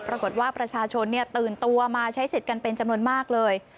ปรากฏว่าประชาชนตื่นตัวมาใช้สิทธิ์กันเป็นจำนวนมากเลย